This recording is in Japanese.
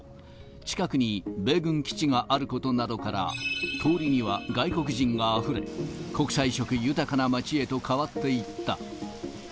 近くに米軍基地があることなどから、通りには外国人があふれ、国際色豊かな街へと変わっていった。